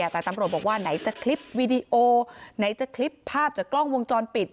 แต่ตำรวจบอกว่าไหนจะคลิปวีดีโอไหนจะคลิปภาพจากกล้องวงจรปิด